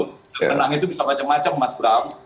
menang itu bisa macam macam mas bram